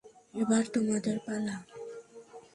এবার তোমাদের পালা।